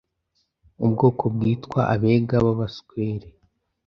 ubwoko bwitwa “Abega b’Abaswere.